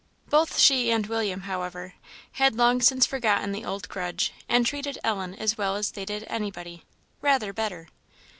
Both she and William, however, had long since forgotten the old grudge, and treated Ellen as well as they did anybody rather better.